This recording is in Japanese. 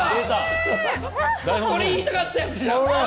俺、言いたかったやつだ！